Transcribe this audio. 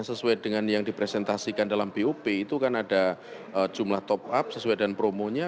sesuai dengan yang dipresentasikan dalam bop itu kan ada jumlah top up sesuai dengan promonya